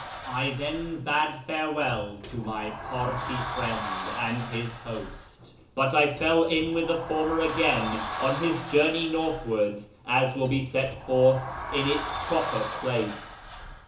I then bade farewell to my Parsee friend and his host, but I fell in with the former again on his journey northwards, as will be set forth in its proper place.